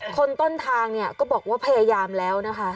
คนต้นทางเนี่ยก็บอกว่าพยายามแล้วนะคะ